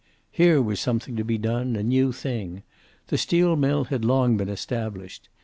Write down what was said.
Here was something to be done, a new thing. The steel mill had been long established.